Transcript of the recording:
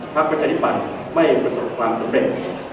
ประชาธิปัตย์ไม่ประสบความสำเร็จ